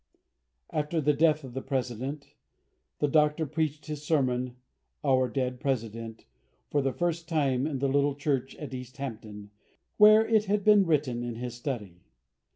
After the death of the President the Doctor preached his sermon "Our Dead President" for the first time in the little church at East Hampton, where it had been written in his study.